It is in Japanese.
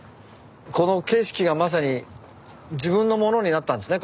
この景色がまさに自分のものになったんですね。